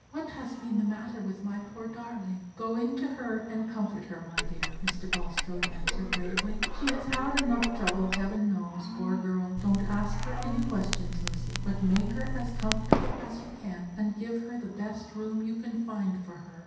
What has been the matter with my poor darling?" "Go in to her, and comfort her, my dear," Mr. Bulstrode answered, gravely; "she has had enough trouble, Heaven knows, poor girl. Don't ask her any questions, Lucy, but make her as comfortable as you can, and give her the best room you can find for her.